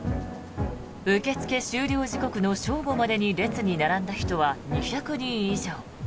受け付け終了時刻の正午までに列に並んだ人は２００人以上。